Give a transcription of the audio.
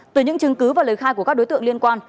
từ những chứng cứ và lời khai của các đối tượng liên quan